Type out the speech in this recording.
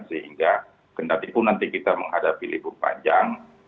sehingga ketika pun nanti kita menghadapi libuh panjang